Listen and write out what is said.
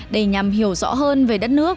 để nhằm hiểu rõ hơn về đất nước